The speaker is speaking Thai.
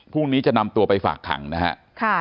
พรุ่งนี้จะนำตัวไปฝากขังนะครับ